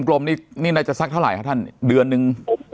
กลมนี่นี่น่าจะสักเท่าไหร่ครับท่านเดือนนึง